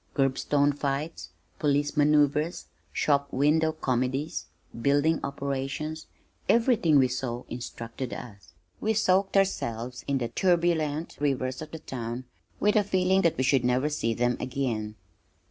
Curbstone fights, police manoeuvres, shop window comedies, building operations everything we saw instructed us. We soaked ourselves in the turbulent rivers of the town with a feeling that we should never see them again.